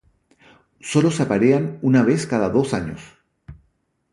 Sólo se aparean una vez cada dos años.